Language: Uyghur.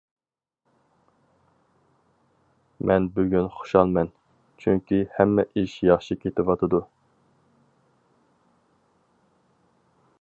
مەن بۈگۈن خۇشالمەن، چۈنكى ھەممە ئىش ياخشى كېتىۋاتىدۇ.